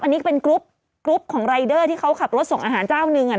อันนี้ก็เป็นกรุ๊ปกรุ๊ปของรายเดอร์ที่เขาขับรถส่งอาหารเจ้าหนึ่งอ่ะ